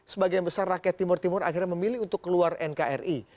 sebagian besar rakyat timur timur akhirnya memilih untuk keluar nkri